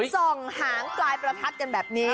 ส่องหางปลายประทัดกันแบบนี้